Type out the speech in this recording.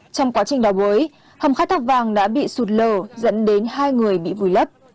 trong quá trình đào bới hầm khai thác vàng đã bị sụt lờ dẫn đến hai người bị vùi lấp